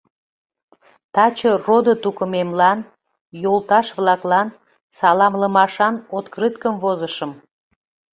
Таче родо-тукымемлан, йолташ-влаклан саламлымашан открыткым возышым.